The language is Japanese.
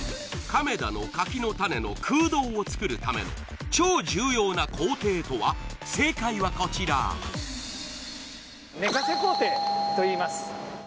亀田の柿の種の空洞を作るための超重要な工程とは正解はこちら寝かせ工程といいます